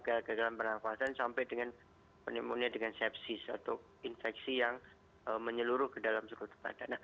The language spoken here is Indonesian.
kegagalan pernafasan sampai dengan pneumonia dengan sepsis atau infeksi yang menyeluruh ke dalam sekutu